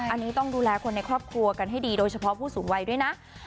อันนี้ต้องดูแลคนในครอบครัวกันให้ดีโดยเฉพาะผู้สูงวัยด้วยนะ